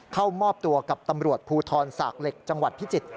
เข้ามอบตัวกับตำรวจภูทรสากเหล็กจังหวัดพิจิตร